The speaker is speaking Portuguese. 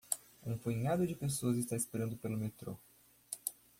Um punhado de pessoas está esperando pelo metrô.